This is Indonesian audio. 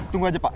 tunggu aja pak